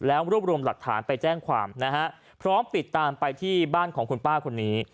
แล้วรวบรวมหลักฐานไปแจ้งความนะฮะพร้อมปิดตามไปที่บ้านของคุณป้าคนนี้